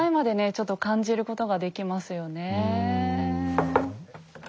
ちょっと感じることができますよねえ。